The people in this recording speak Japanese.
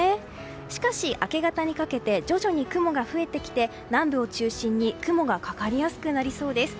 しかし、明け方にかけて徐々に雲が増えてきて南部を中心に雲がかかりやすくなりそうです。